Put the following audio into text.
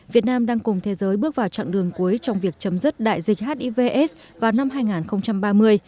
việt nam đang cùng thế giới bước vào chặng đường cuối trong việc chấm dứt đại dịch hivs vào năm hai nghìn ba mươi